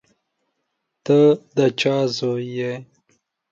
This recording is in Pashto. ته د چا زوی یې؟